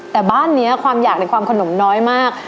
แต่บ้านนี้ความอยากในความขนมน้อยมาก